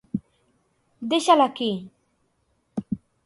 Deixa'l aquí!